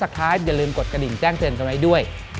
ท้ายอย่าลืมกดกระดิ่งแจ้งเตือนกันไว้ด้วย